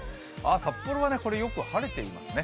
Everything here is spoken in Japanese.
札幌はよく晴れていますね。